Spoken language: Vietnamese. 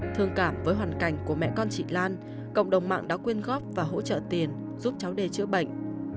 thương cảm với hoàn cảnh của mẹ con chị lan cộng đồng mạng đã quyên góp và hỗ trợ tiền giúp cháu đê chữa bệnh